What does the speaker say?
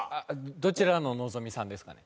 どちらののぞみさんですかね？